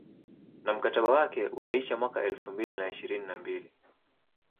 Na mkataba wake utaisha mwaka elfu mbili na ishirini na mbili